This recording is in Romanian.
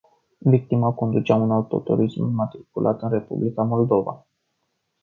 Victima conducea un autoturism înmatriculat în Republica Moldova.